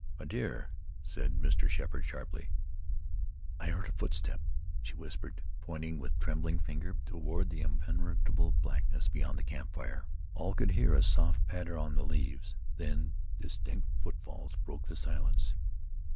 "My dear," said Mr. Sheppard sharply. "I heard a footstep," she whispered, pointing with trembling finger toward the impenetrable blackness beyond the camp fire. All could hear a soft patter on the leaves. Then distinct footfalls broke the silence.